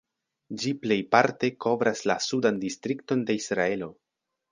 Ĝi plejparte kovras la Sudan Distrikton de Israelo.